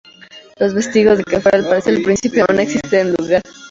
Los vestigios del que fuera el Palacio del Príncipe, aún existen en el lugar.